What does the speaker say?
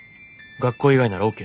「学校以外ならＯＫ？」。